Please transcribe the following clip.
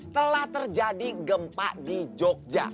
pak cip ada gempa di jogja